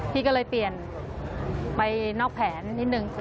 พี่ก็เลยเปลี่ยนไปนอกแผนนิดนึง